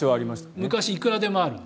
昔はいくらでもある。